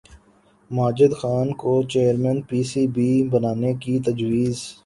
ماجد خان کو chairman P C B بنانے کی تجویز